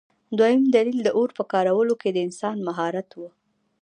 دویم دلیل د اور په کارولو کې د انسان مهارت و.